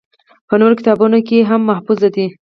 پۀ نورو کتابونو کښې هم محفوظ دي